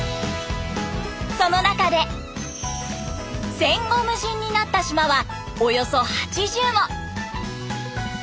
その中で戦後無人になった島はおよそ８０も。